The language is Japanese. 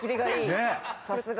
さすが！